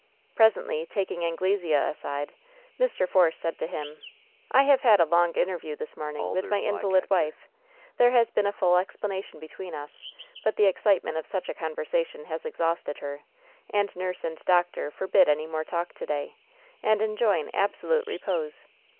Presently, taking Anglesea aside, Mr. Force said to him: "I have had a long interview this morning with my invalid wife. There has been a full explanation between us; but the excitement of such a conversation has ex hausted her, and nurse and doctor forbid any more talk to day, and enjoin absolute repose.